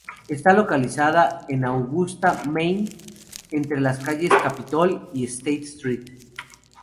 Está localizada en Augusta, Maine, entre las calles Capitol y State St.